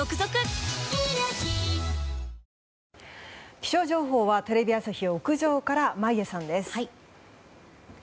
気象情報はテレビ朝日屋上から眞家さん。